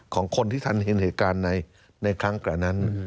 ของคนที่ท่านเห็นเหตุการณ์ในครั้งกว่านั้น